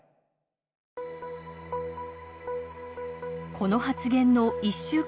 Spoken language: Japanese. この発言の１週間余り